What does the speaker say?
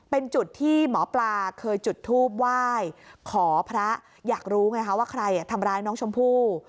เป็นจุดที่หมอปลาเคยจุดทูบไหว้ขอพระอยากรู้ไงคะว่าใครทำร้ายน้องชมพู่